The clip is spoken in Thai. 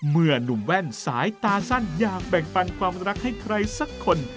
หนุ่มแว่นสายตาสั้นอยากแบ่งปันความรักให้ใครสักคน